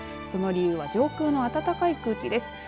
その理由は上空の暖かい空気です。